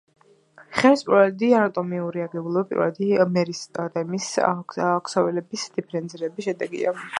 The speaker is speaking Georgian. ღეროს პირველადი ანატომიური აგებულება პირველადი მერისტემის ქსოვილების დიფერენცირების შედეგია.